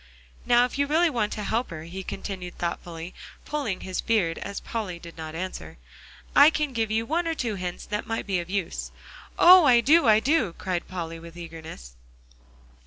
"Now if you really want to help her," he continued thoughtfully, pulling his beard, as Polly did not answer, "I can give you one or two hints that might be of use." "Oh! I do, I do," cried Polly with eagerness.